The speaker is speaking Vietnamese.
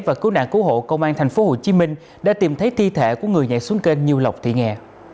và cứu nạn cứu hộ công an tp hcm đã tìm thấy thi thể của người nhảy xuống kênh như lộc thị nghè